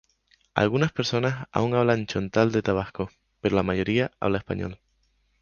Algunas personas aún hablan chontal de Tabasco, pero la mayoría habla español.